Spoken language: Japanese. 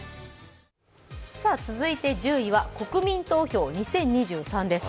続いて１０位は国民投票２０２３です。